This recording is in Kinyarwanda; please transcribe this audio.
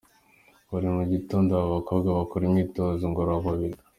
Buri mu gitondo aba bakobwa bakora imyitozo ngororamubiri.